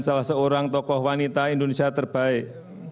salah seorang tokoh wanita indonesia terbaik